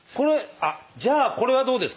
あっじゃあこれはどうですか？